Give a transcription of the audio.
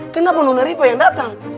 kenapa nona rifa yang dateng